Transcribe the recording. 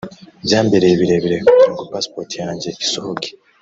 byambereye birebire kugirango passport yanjye isohoke’’